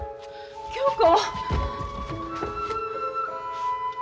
恭子。